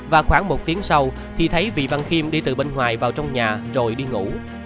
và khoảng một tiếng sau thì thấy vị văn khiêm đi từ bên ngoài vào trong nhà rồi đi ngủ